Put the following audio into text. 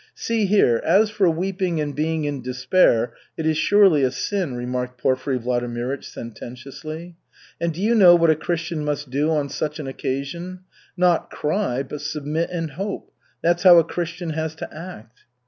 "See here, as for weeping and being in despair, it is surely a sin," remarked Porfiry Vladimirych sententiously. "And do you know what a Christian must do on such an occasion? Not cry, but submit and hope that's how a Christian has to act."